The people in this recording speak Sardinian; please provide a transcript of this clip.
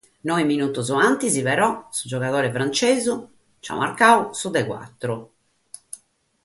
Noe minutos prima, però, su giogadore frantzesu nc'at marcadu su de cuatru.